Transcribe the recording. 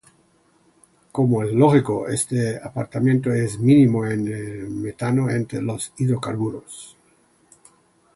Como es lógico, este apartamiento es mínimo en el metano entre los hidrocarburos.